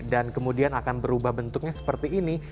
dan kemudian akan berubah bentuknya seperti ini